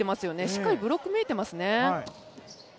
しっかりブロック見えてますね。